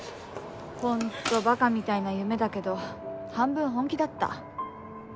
本当馬鹿みたいな夢だけど半分本気だった。